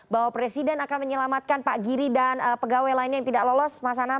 bahwa presiden akan menyelamatkan pak giri dan pegawai lainnya yang tidak lolos mas anam